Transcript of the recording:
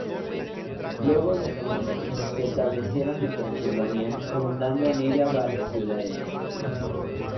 Luego los alemanes se establecieron en Transilvania, fundando en ella varias ciudades.